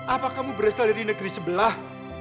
apa kamu berasal dari negeri sebelah